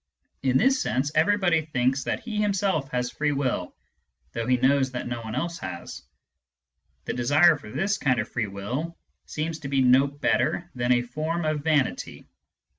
In this sense, everybody thinks that he him self has free will, though he knows that no one else has. The desire for this kind of free will seems to be no better than a form of vanity.